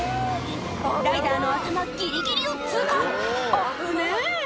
ライダーの頭ギリギリを通過危ねぇ！